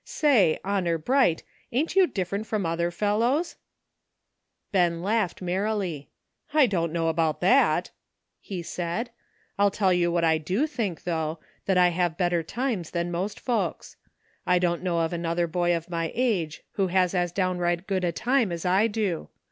'' Say, honor bright, ain't you different from other fellows ?" Ben laughed merrily. '' I don't know about that," he said; "I'll tell you what I do think, though, that I have better times than most folks. I don't know another boy of my age who has as downright good a time as I do.